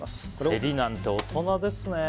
セリなんて、大人ですね。